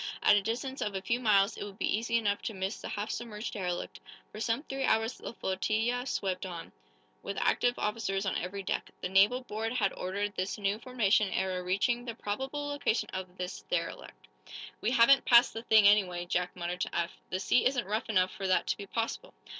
At a distance of a few miles it would be easy enough to miss the half submerged derelict. For some three hours the flotilla swept on, with active officers on every deck. The naval board had ordered this new formation ere reaching the probable location of the derelict. "We haven't passed the thing, anyway," Jack muttered to Eph. "The sea isn't rough enough for that to be possible."